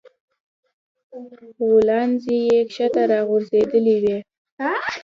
غولانځې يې ښکته راځوړندې وې